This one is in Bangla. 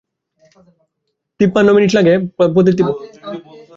ব্রিটিশ মিউজিয়ামে তাদের বিভিন্ন ধ্বংসাবশেষ রয়েছে।